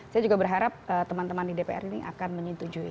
saya juga berharap teman teman di dpr ini akan menyetujui